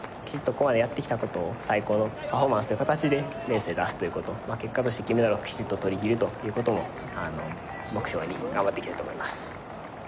ここまでやってきたことを最高のパフォーマンスという形でレースで出すということ、結果として金メダルをきちっと取りきるということを目標に頑張っていきたいと思います。